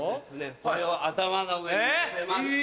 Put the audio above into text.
これを頭の上に乗せまして。